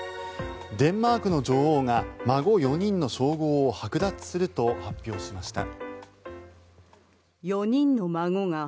デンマークの女王が孫４人の称号をはく奪すると発表しました。